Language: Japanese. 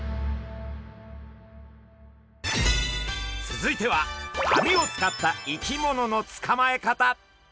続いては網を使った生き物のつかまえ方。